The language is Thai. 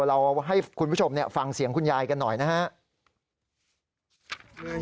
เราให้คุณผู้ชมฟังเสียงคุณยายกันหน่อยนะครับ